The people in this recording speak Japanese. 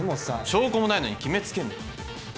証拠もないのに決めつけんな。